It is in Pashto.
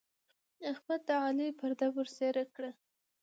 احمد د علي پرده ورڅيرې کړه.